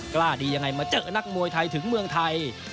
กล้าดียังไงมาเจอนักมวยไทยถึงเมืองไทย